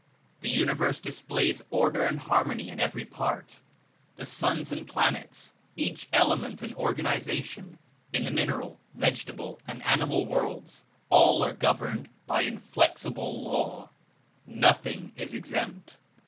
The universe displays order and harmony in every part; the Universal J 1 11 1 Law suns and planets, each element and or ganization in the mineral, vegetable and animal worlds, all are governed by inflexible law; nothing is exempt.